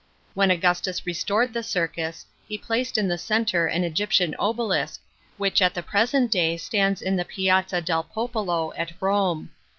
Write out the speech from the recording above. When Augustus restored the circus, he placed in the centre an Egyptian obelisk, which at the prnsent day stands in the Piazza del Popolo at Rome.